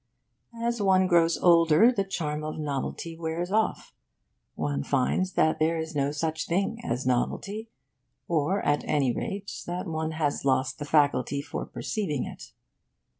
As one grows older, the charm of novelty wears off. One finds that there is no such thing as novelty or, at any rate, that one has lost the faculty for perceiving it.